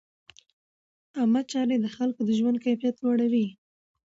عامه چارې د خلکو د ژوند کیفیت لوړوي.